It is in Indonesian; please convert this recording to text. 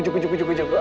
juuu cukup cukup cukup